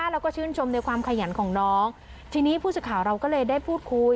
แล้วก็ชื่นชมในความขยันของน้องทีนี้ผู้สื่อข่าวเราก็เลยได้พูดคุย